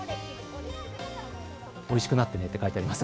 おいしくなってねってあります。